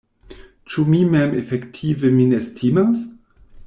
Ĉu mi mem efektive min estimas?